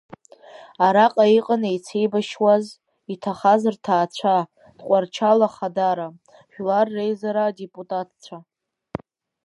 Араҟа иҟан еицеибашьуаз, иҭахаз рҭаацәа, Тҟәарчал ахадара, Жәлар Реизара адепутатцәа.